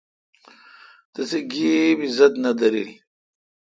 تسی گیب اعزت نہ دارل۔